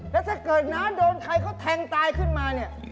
แล้วถ้าเกิดน้าโดนใครเขาแทงตายขึ้นมาเนี่ย